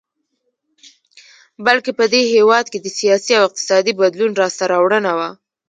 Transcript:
بلکې په دې هېواد کې د سیاسي او اقتصادي بدلون لاسته راوړنه وه.